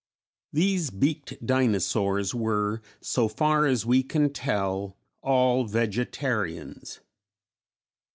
] These Beaked Dinosaurs were, so far as we can tell, all vegetarians.